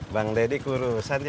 bang deddy kurusan ya